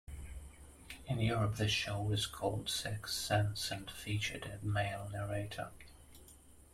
In Europe the show was called Sex Sense and featured a male narrator.